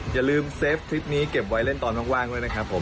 อย่าลืมเซฟทริปนี้เก็บไว้เล่นตอนว่างด้วยนะครับผม